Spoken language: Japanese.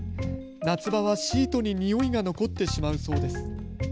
夏場はシートににおいが残ってしまうそうです。